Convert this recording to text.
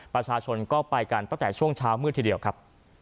ประชาชนก็ไปกันตั้งแต่ช่วงเช้ามืดทีเดียวครับ